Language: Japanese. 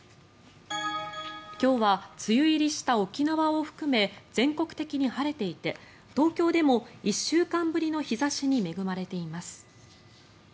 今日は梅雨入りした沖縄を含め全国的に晴れていて東京でも１週間ぶりの日差しに恵まれています。